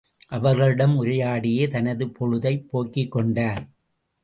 அவர்களிடம் உரையாடியே தனது பொழுதைப் போக்கிக் கொண்டார்.